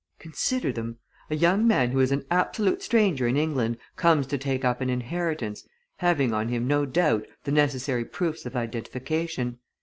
Consider them! A young man who is an absolute stranger in England comes to take up an inheritance, having on him no doubt, the necessary proofs of identification.